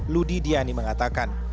ludi diani mengatakan